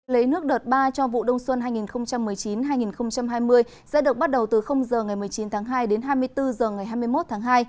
lấy nước đợt ba cho vụ đông xuân hai nghìn một mươi chín hai nghìn hai mươi sẽ được bắt đầu từ h ngày một mươi chín tháng hai đến hai mươi bốn h ngày hai mươi một tháng hai